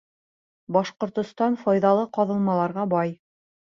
— Башҡортостан файҙалы ҡаҙылмаларға бай.